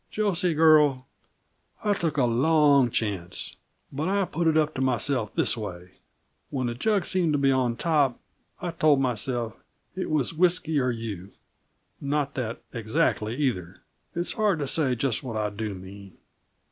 "Josie, girl, I took a long chance but I put it up to myself this way, when the jug seemed to be on top. I told myself it was whisky or you; not that exactly, either. It's hard to say just what I do mean.